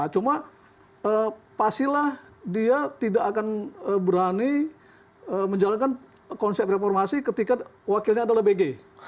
cuma pastilah dia tidak akan berani menjalankan konsep reformasi ketika wakilnya adalah bg